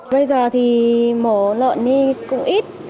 bây giờ thì mổ lợn cũng ít